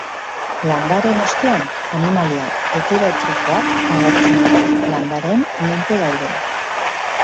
Landareen ostean, animalia heterotrofoak agertzen dira, landareen menpe daudenak.